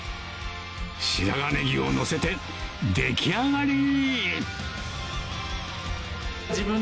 白髪ねぎをのせて出来上がり自分。